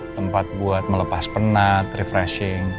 tempat buat melepas penat refreshing